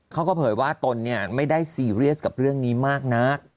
เผยว่าตนไม่ได้ซีเรียสกับเรื่องนี้มากนัก